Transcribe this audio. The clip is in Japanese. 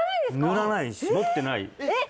塗らないし持ってないえっ